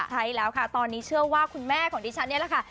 ใช่แล้วค่ะตอนนี้เชื่อว่าคุณแม่ของดิฉันนี่แหละค่ะ